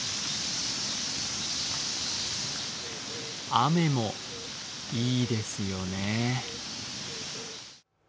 雨もいいですよね。